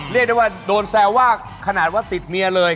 เรียกได้ว่าโดนแซวว่าขนาดว่าติดเมียเลย